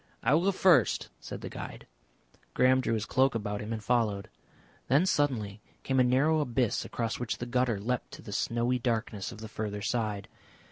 "I will go first," said the guide. Graham drew his cloak about him and followed. Then suddenly came a narrow abyss across which the gutter leapt to the snowy darkness of the further side.